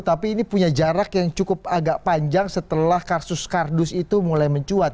tapi ini punya jarak yang cukup agak panjang setelah kasus kardus itu mulai mencuat